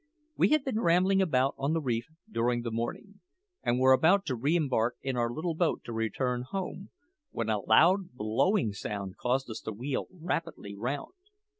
We had been rambling about on the reef during the morning, and were about to re embark in our little boat to return home, when a loud blowing sound caused us to wheel rapidly round.